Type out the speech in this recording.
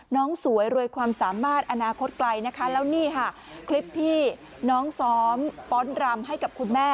น้องสวยรวยความสามารถอนาคตไกลนะคะแล้วนี่ค่ะคลิปที่น้องซ้อมฟ้อนรำให้กับคุณแม่